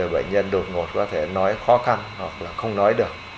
bệnh nhân đột ngột có thể nói khó khăn hoặc là không nói được